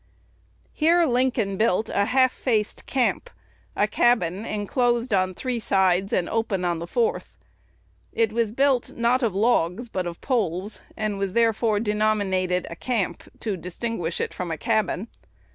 Here Lincoln built "a half faced camp," a cabin enclosed on three sides and open on the fourth. It was built, not of logs, but of poles, and was therefore denominated a "camp," to distinguish it from a "cabin."